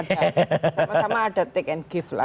sama sama ada take and give lah